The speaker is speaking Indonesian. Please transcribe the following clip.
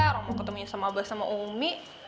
orang mau ketemu sama aba sama ummi